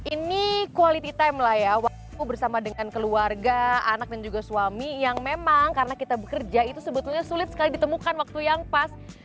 ini quality time lah ya waktu bersama dengan keluarga anak dan juga suami yang memang karena kita bekerja itu sebetulnya sulit sekali ditemukan waktu yang pas